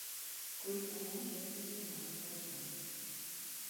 Kurš no mums ir bīstamāks otram.